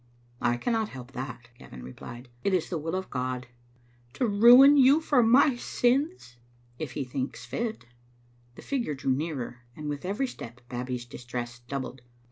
" I cannot help that," Gavin replied. " It is the will of God." " To ruin you for my sins?" "If He thinks fit." The figure drew nearer, and with every step Babbie's distress doubled.